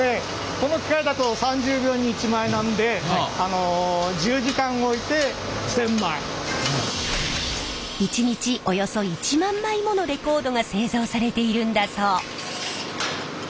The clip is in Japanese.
この機械だと３０秒に１枚なんで１日およそ１万枚ものレコードが製造されているんだそう。